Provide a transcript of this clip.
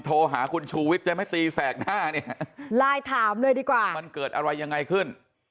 โทรหาคุณชูวิทย์จะไม่ตีแสกหน้าเนี่ยไลน์ถามเลยดีกว่ามันเกิดอะไรยังไงขึ้น